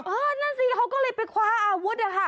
เออนั่นสิเขาก็เลยไปคว้าอาวุธ